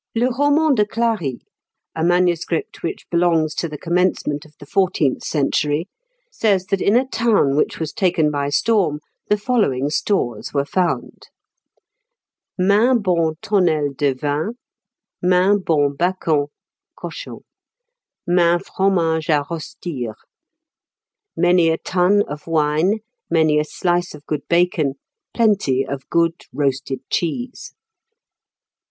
"Le Roman de Claris," a manuscript which belongs to the commencement of the fourteenth century, says that in a town winch was taken by storm the following stores were found: : "Maint bon tonnel de vin, Maint bon bacon (cochon), maint fromage à rostir." ("Many a ton of wine, Many a slice of good bacon, plenty of good roasted cheese.")